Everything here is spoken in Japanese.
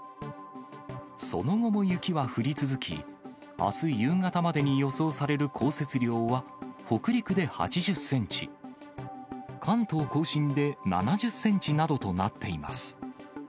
その後も雪は降り続き、あす夕方までに予想される降雪量は、北陸で８０センチ、関東甲信で７０センチなどとなっています。